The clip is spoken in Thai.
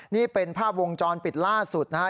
นี่เป็นภาพวงจรปิดล่าสุดนะฮะ